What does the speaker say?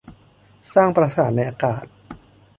สร้างปราสาทในอากาศ